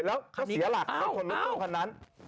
เสีอหลักตุ๊กคันนั้น